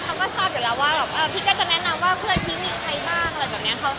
เขาก็ทราบอยู่แล้วว่าแบบพี่ก็จะแนะนำว่าเพื่อนพี่มีใครบ้างอะไรแบบนี้